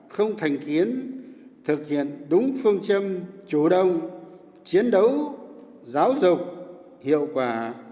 không thành kiến thực hiện đúng phương châm chủ động chiến đấu giáo dục hiệu quả